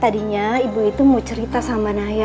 tadinya ibu itu mau cerita sama naya